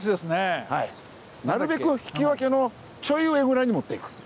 なるべく引き分けのちょい上ぐらいに持っていく。